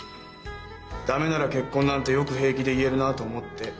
「駄目なら結婚」なんてよく平気で言えるなあと思って。